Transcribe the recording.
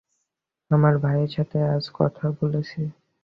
আমার ভাইয়ের সাথে আজ কথা বলেছি।